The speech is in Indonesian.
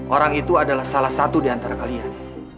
orang itu adalah salah satu diantara kalian